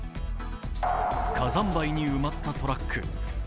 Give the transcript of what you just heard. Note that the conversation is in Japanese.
火山灰に埋まったトラック。